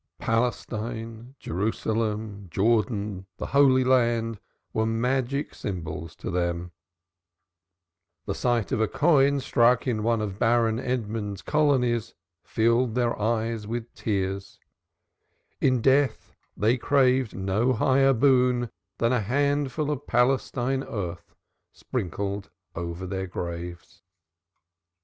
Palestine, Jerusalem, Jordan, the Holy Land were magic syllables to them, the sight of a coin struck in one of Baron Edmund's colonies filled their eyes with tears; in death they craved no higher boon than a handful of Palestine earth sprinkled over their graves.